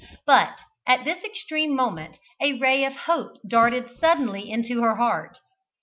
But, at this extreme moment, a ray of hope darted suddenly into her heart.